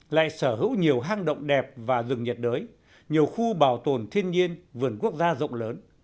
lại sở hữu nhiều hang động đẹp và rừng nhiệt đới nhiều khu bảo tồn thiên nhiên vườn quốc gia rộng lớn